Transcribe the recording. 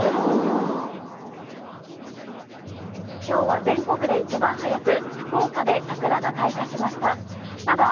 今日は全国で一番早く福岡で桜が開花しました。